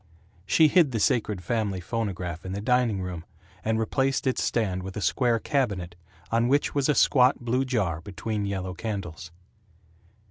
She hid the sacred family phonograph in the dining room, and replaced its stand with a square cabinet on which was a squat blue jar between yellow candles.